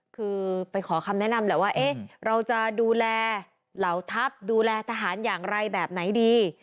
คือไปขอคำแนะนำแหละว่าเราจะดูแลเหล่าทัพดูแลทหารอย่างไรแบบไหนดี